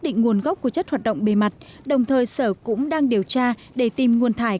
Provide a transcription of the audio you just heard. việc quản lý các loại chất thải